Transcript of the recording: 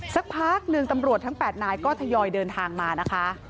สักพักหนึ่งตำรวจทั้ง๘นายก็ทยอยเดินทางมานะคะ